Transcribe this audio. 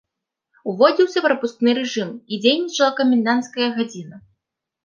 Уводзіўся прапускны рэжым і дзейнічаў каменданцкая гадзіна.